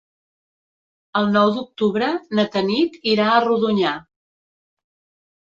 El nou d'octubre na Tanit irà a Rodonyà.